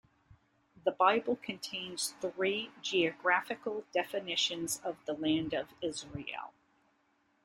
The Bible contains three geographical definitions of the Land of Israel.